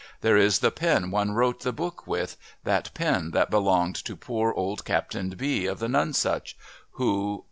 There is the pen one wrote the book with, that pen that belonged to poor old Captain B of the Nonsuch who